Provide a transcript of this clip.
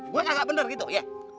gue gak bener gitu ya